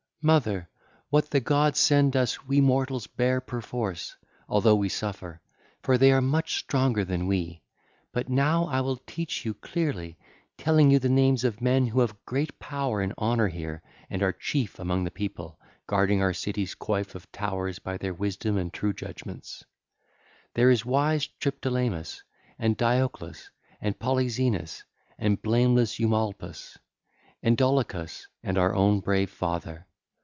147 168) 'Mother, what the gods send us, we mortals bear perforce, although we suffer; for they are much stronger than we. But now I will teach you clearly, telling you the names of men who have great power and honour here and are chief among the people, guarding our city's coif of towers by their wisdom and true judgements: there is wise Triptolemus and Dioclus and Polyxeinus and blameless Eumolpus and Dolichus and our own brave father.